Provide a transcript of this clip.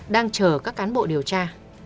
đang chờ các cán bộ điều tra